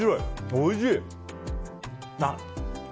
おいしい！